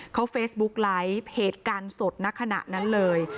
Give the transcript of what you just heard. เขาเฟซบุ๊กไลฟ์เหตุการณ์สดณขณะนั้นเลย